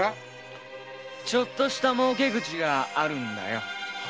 ちょっとした儲け口があるんだよ。